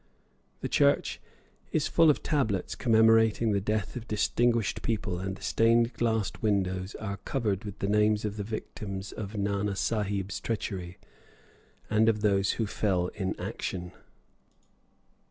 The church is full of tablets commemorating the death of distinguished people, and the stained glass windows are covered with the names of the victims of Nana Sahib's treachery, and of those who fell in action.